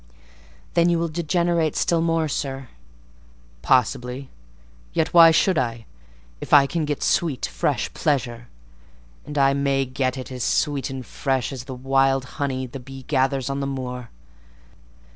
"Then you will degenerate still more, sir." "Possibly: yet why should I, if I can get sweet, fresh pleasure? And I may get it as sweet and fresh as the wild honey the bee gathers on the moor."